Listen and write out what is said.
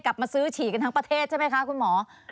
กลับมาซื้อฉี่กันทั้งประเทศใช่ไหมคะคุณหมอ